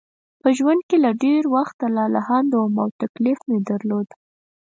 په ژوند کې له ډېر وخته لالهانده وم او تکلیف مې درلود.